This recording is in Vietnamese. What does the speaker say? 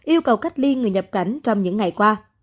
yêu cầu cách ly người nhập cảnh trong những ngày qua